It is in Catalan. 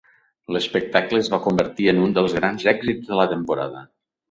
L'espectacle es va convertir en un dels grans èxits de la temporada.